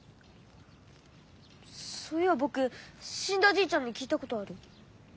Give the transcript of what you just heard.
そういやぼくしんだじいちゃんに聞いたことある。